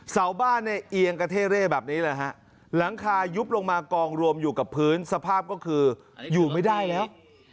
เสาบ้านเนี่ยเอียงกระเท่เร่แบบนี้เลยฮะหลังคายุบลงมากองรวมอยู่กับพื้นสภาพก็คืออยู่ไม่ได้แล้ว